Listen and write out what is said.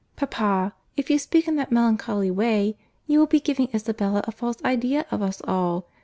Papa, if you speak in that melancholy way, you will be giving Isabella a false idea of us all.